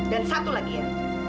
dan satu lagi ya